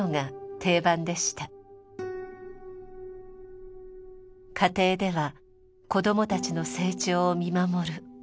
家庭では子どもたちの成長を見守る父親。